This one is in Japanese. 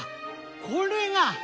これが。